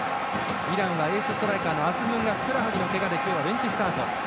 イランはエースストライカーのアズムンがふくらはぎのけがでベンチスタート。